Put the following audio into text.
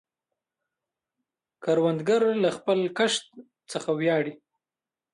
کروندګر له خپل کښت څخه ویاړي